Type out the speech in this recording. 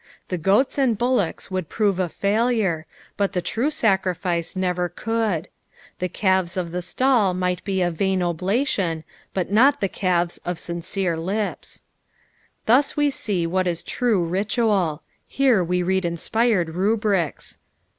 Tl)e goats and buUockH would prove a failure, but the true sacnfice never could. The calves of the Mall might be a vun ohlatlon, but not the calves Thus we see what is true ritual. Here we read inspired rubrics.